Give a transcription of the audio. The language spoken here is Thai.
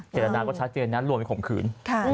เจตนาก็ชัดเตือนนั้นรวมของขืน